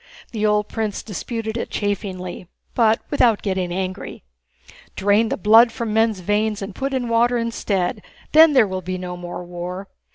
The old prince disputed it chaffingly, but without getting angry. "Drain the blood from men's veins and put in water instead, then there will be no more war!